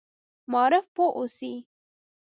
معارف پوه اوسي.